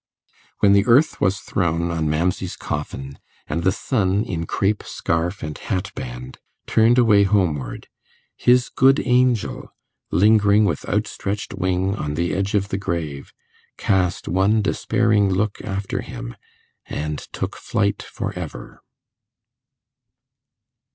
When the earth was thrown on Mamsey's coffin, and the son, in crape scarf and hatband, turned away homeward, his good angel, lingering with outstretched wing on the edge of the grave, cast one despairing look after him, and took flight for ever.